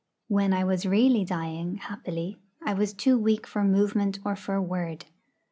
When I was really dying, happily, I was too weak for movement or for word.